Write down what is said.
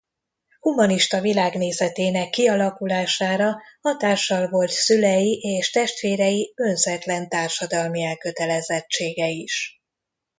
Humanista világnézetének kialakulására hatással volt szülei és testvérei önzetlen társadalmi elkötelezettsége is.